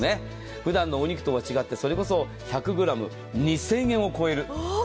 普段のお肉とは違ってそれこそ１００ｇ２０００円を超える。